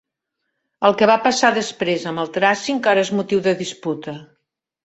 El que va passar després amb el traci encara és motiu de disputa.